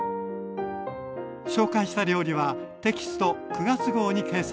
紹介した料理はテキスト９月号に掲載しています。